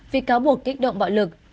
vì cáo buộc kích động bạo lực